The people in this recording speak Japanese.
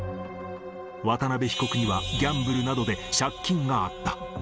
渡邉被告にはギャンブルなどで借金があった。